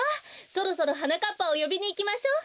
そろそろはなかっぱをよびにいきましょう。